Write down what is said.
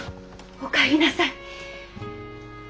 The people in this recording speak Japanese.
おかえりなさい。